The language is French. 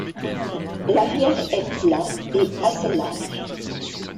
L'arrière est plat et assez large.